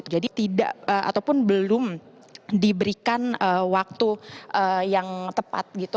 jadi tidak ataupun belum diberikan waktu yang tepat gitu